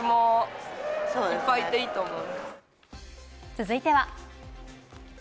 続いては。